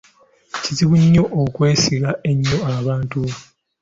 Kizibu nnyo okwesiga ennyo abantu.